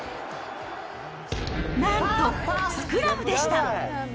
なんとスクラムでした。